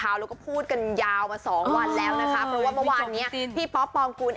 แล้วก็พูดกันยาวมาสองวันแล้วนะคะเพราะว่าเมื่อวานเนี้ยพี่ป๊อปปองกุล